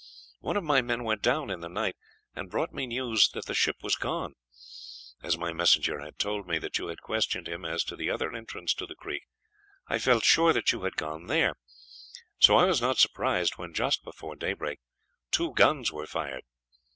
One of my men went down in the night, and brought me news that the ship was gone. As my messenger had told me that you had questioned him as to the other entrance to the creek, I felt sure that you had gone there; so I was not surprised when, just before daybreak, two guns were fired.